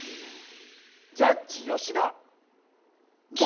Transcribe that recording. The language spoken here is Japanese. ジャッジ吉田。